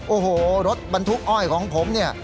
โอ้โหรถบรรทุกอ้อยของผมเนี่ย